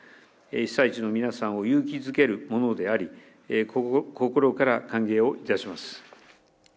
被災地の皆さんを勇気づけるものであり、心から歓迎をいたします。